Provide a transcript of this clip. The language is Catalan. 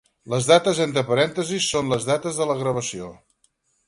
Les dates entre parèntesis són les dates de la gravació.